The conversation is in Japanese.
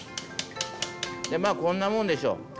まあこんなもんでしょう。